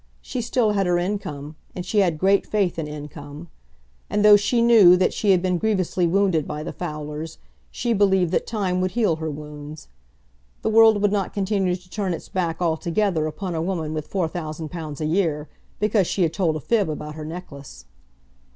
She still had her income, and she had great faith in income. And though she knew that she had been grievously wounded by the fowlers, she believed that time would heal her wounds. The world would not continue to turn its back altogether upon a woman with four thousand pounds a year, because she had told a fib about her necklace.